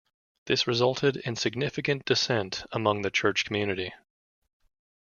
This resulted in significant dissent among the church community.